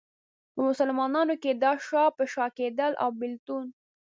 په مسلمانانو کې دا شا په شا کېدل او بېلتون.